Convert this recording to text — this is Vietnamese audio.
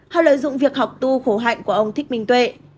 họ lợi dụng việc học tu khổ hạnh của ông thích minh tuệ